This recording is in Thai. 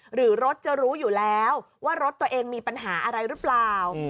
หรือรถจะรู้อยู่แล้วว่ารถตัวเองมีปัญหาอะไรหรือเปล่า